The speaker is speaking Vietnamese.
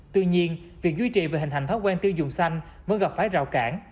tuy nhiên việc duy trì về hình hành thói quen tiêu dùng xanh vẫn gặp phải rào cản